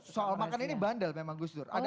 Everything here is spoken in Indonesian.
soal makan ini bandel memang gus dur